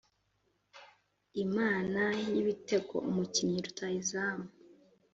Imana y’ibitego (Umukinnyi rutahizamu